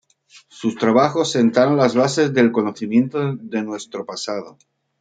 Sus trabajos sentaron las bases del conocimiento de nuestro pasado.